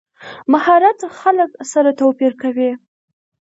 مهارت خلک سره توپیر کوي.